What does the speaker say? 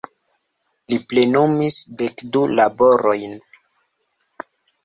Li plenumis dekdu laborojn.